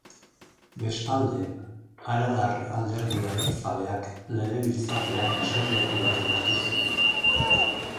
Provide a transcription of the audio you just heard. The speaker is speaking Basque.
Bestalde, Aralar alderdi abertzaleak Legebiltzarrean eserleku bat lortu zuen.